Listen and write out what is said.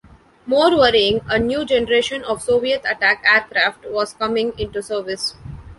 More worrying, a new generation of Soviet attack aircraft was coming into service.